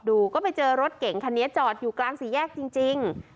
ก็ไปเจอรถเก่งคันนี้จอดอยู่กลางสี่แยกจริง